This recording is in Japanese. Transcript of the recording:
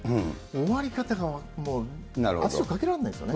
終わり方がもう、圧力かけらんないですよね。